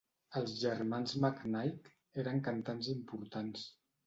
Els germans McKnight eren cantants importants.